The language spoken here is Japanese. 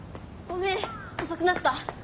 ごめん遅くなった。